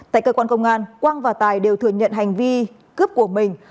tại cơ quan công an quang và tài đều thừa nhận hành vi cướp của mình